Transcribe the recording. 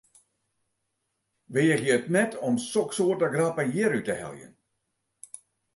Weagje it net om soksoarte grappen hjir út te heljen!